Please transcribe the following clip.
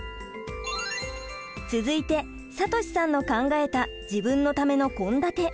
続いてさとしさんの考えた自分のための献立。